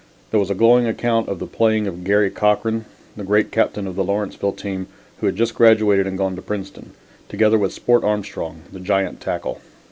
There was a glowing account of the playing of Garry Cochran, the great captain of the Lawrenceville team, who had just graduated and gone to Princeton, together with Sport Armstrong, the giant tackle.